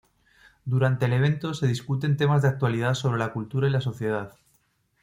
Durante el evento se discuten temas de actualidad sobre la cultura y la sociedad.